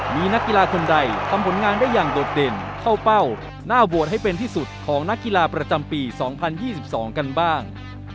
มีนักกีฬาคนใดทำผลงานได้อย่างโดดเด่นเข้าเป้าหน้าโหวตให้เป็นที่สุดของนักกีฬาประจำปี๒๐๒๒กันบ้าง